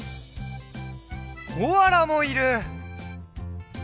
コアラもいる！